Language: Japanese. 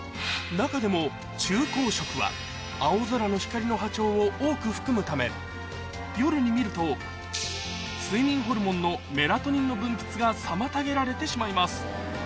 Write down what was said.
中でも昼光色は青空の光の波長を多く含むため夜に見ると睡眠ホルモンのメラトニンの分泌が妨げられてしまいます